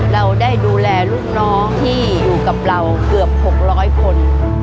เราได้ดูแลลูกน้องที่อยู่กับเราเกือบ๖๐๐คน